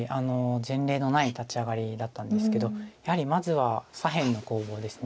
前例のない立ち上がりだったんですけどやはりまずは左辺の攻防です。